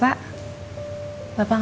bapak gak boleh putus asa